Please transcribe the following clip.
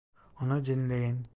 Onu dinleyin.